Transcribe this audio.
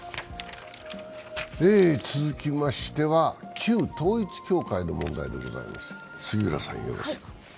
続きましては旧統一教会の問題でございます。